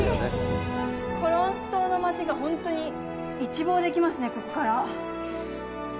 コロンス島の街が、ほんとに一望できますね、ここから。